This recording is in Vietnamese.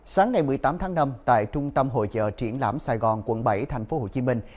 sáng ngày một mươi tám tháng năm tại trung tâm hội trợ triển lãm sài gòn quận bảy thành phố hồ chí minh